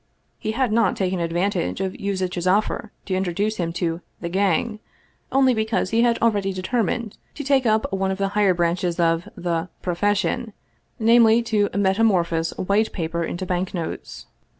He had not taken ad vantage of Yuzitch's offer to introduce him to " the gang," only because he had already determined to take up one of the higher branches of the " profession," namely, to metamorphose white paper into banknotes.